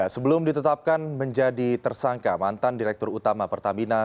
sebelum ditetapkan menjadi tersangka mantan direktur utama pertamina